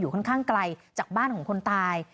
ค่อนข้างไกลจากบ้านของคนตาย